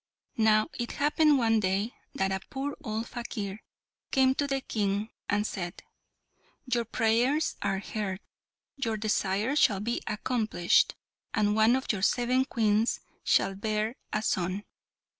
Now it happened one day that a poor old fakir came to the King, and said, "Your prayers are heard, your desire shall be accomplished, and one of your seven Queens shall bear a son."